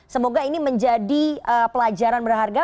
semoga ini menjadi pelajaran berharga